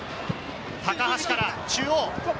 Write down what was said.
高橋から中央。